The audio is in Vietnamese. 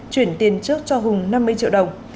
chuyển tiền trước cho hùng năm mươi triệu đồng